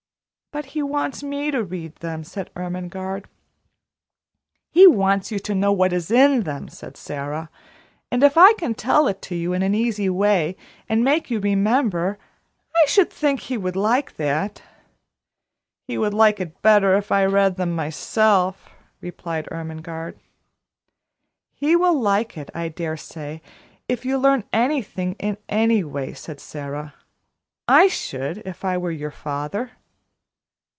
"But he wants me to read them," said Ermengarde. "He wants you to know what is in them," said Sara; "and if I can tell it to you in an easy way and make you remember, I should think he would like that." "He would like it better if I read them myself," replied Ermengarde. "He will like it, I dare say, if you learn anything in any way," said Sara. "I should, if I were your father."